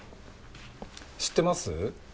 知ってます？